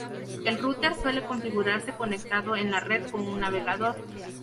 El router suele configurarse conectado en la red con un navegador.